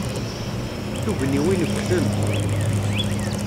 Tugniwin ggtent.